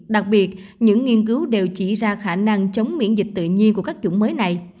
đặc biệt những nghiên cứu đều chỉ ra khả năng chống miễn dịch tự nhiên của các chủng mới này